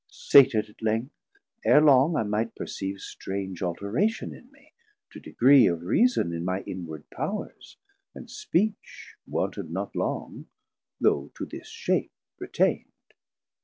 Sated at length, ere long I might perceave Strange alteration in me, to degree Of Reason in my inward Powers, and Speech 600 Wanted not long, though to this shape retaind.